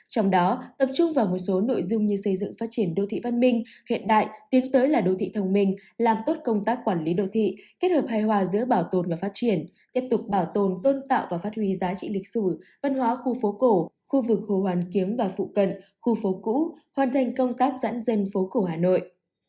trong đó tập trung vào một số nội dung như xây dựng phát triển đô thị văn minh hiện đại tiến tới là đô thị thông minh làm tốt công tác quản lý đô thị kết hợp hài hòa giữa bảo tồn và phát triển tiếp tục bảo tồn tôn tạo và phát huy giá trị lịch sử văn hóa khu phố cổ khu vực hồ hoàn kiếm và phụ cận khu phố cũ hoàn thành công tác giãn dân phố cổ hà nội